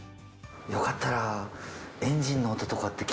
よかったら。